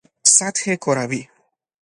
سطح کروی